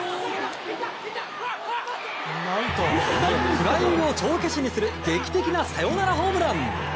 フライングを帳消しにする劇的なサヨナラホームラン！